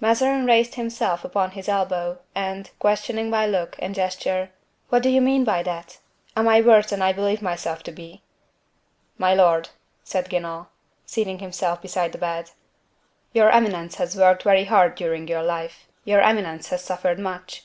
Mazarin raised himself upon his elbow, and, questioning by look and gesture: "What do you mean by that? Am I worse than I believe myself to be?" "My lord," said Guenaud, seating himself beside the bed; "your eminence has worked very hard during your life; your eminence has suffered much."